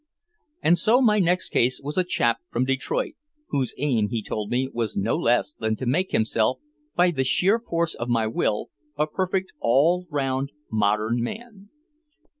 And so my next case was a chap from Detroit, whose aim, he told me, was no less than to make himself "by the sheer force of my will a perfect, all round, modern man."